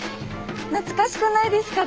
懐かしくないですか？